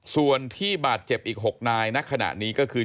ส่วนที่บาดเจ็บอีก๖นายณขณะนี้ก็คือ